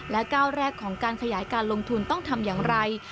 และก้าวแรกของการขยายการลงทุนต้องทำอย่างไร